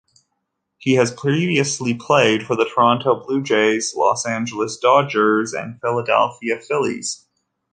He has previously played for the Toronto Blue Jays, LosAngeles Dodgers, and Philadelphia Phillies.